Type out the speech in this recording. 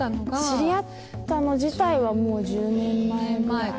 知り合ったの自体はもう１０年前ぐらいか。